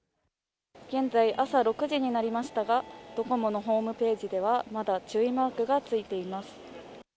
現在、朝６時になりましたがドコモのホームページでは、まだ注意マークがついています。